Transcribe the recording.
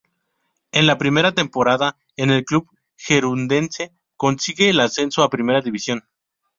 En la primera temporada en el club gerundense consigue el ascenso a Primera División.